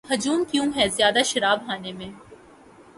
ہجوم کیوں ہے زیادہ شراب خانے میں